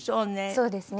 そうですね。